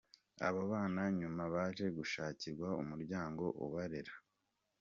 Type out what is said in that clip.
Abo bana nyuma baje gushakirwa umuryango ubarera.